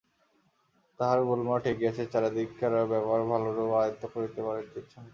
তাঁহার গোলমাল ঠেকিয়াছে, চারিদিককার ব্যাপার ভালরূপ আয়ত্ত করিতে পারিতেছেন না।